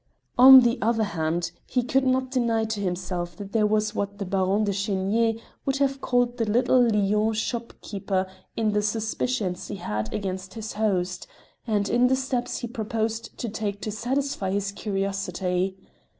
On the other hand, he could not deny to himself that there was what the Baronne de Chenier would have called the little Lyons shopkeeper in the suspicions he had against his host, and in the steps he proposed to take to satisfy his curiosity.